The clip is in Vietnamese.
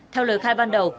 theo lời khai ban đầu